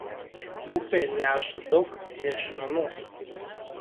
Upė neša daug nešmenų.